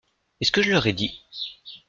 Est-ce que je leur ai dit ?…